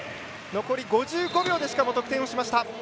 残り５５秒で得点をしました。